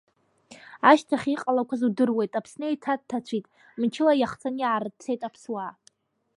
Ашьҭахь иҟалақуаз удыруеит, Аԥсны еиҭаҭацәит, мчыла иахцаны иаарцеит аԥсуаа.